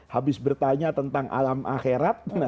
habis bertanya tentang alam akhirat